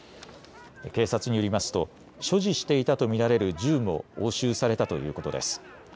警察によりますと所持していたと見られる銃も押収されたということです。